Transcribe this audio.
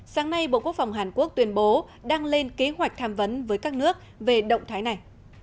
sáng nay bộ quốc phòng hàn quốc tuyên bố đang lên kế hoạch tham vấn với các nước về động thái này